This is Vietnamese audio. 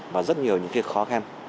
và rất nhiều những việc khó khăn